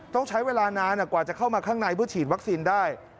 ต้องใช้เวลานานกว่าจะเข้ามาข้างในเพื่อฉีดวัคซีนได้